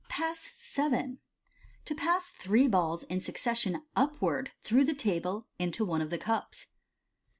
Pass VII. To pass three Balls in succession upwards through the Table into one of thb Cups.